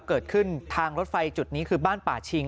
เกิดขึ้นทางรถไฟจุดนี้คือบ้านป่าชิง